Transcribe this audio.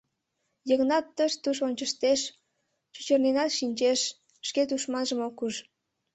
Йыгнат тыш-туш ончыштеш, чӱчырненат шинчеш — шке тушманжым ок уж.